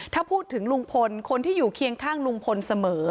ถ้าพูดถึงลุงพลคนที่อยู่เคียงข้างลุงพลเสมอ